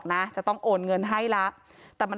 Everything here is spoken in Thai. ความปลอดภัยของนายอภิรักษ์และครอบครัวด้วยซ้ำ